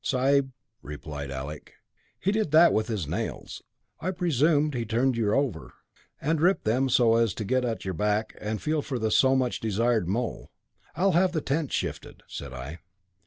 'Sahib,' replied Alec, 'he did that with his nails. I presume he turned you over, and ripped them so as to get at your back and feel for the so much desired mole.' 'I'll have the tent shifted,' said I.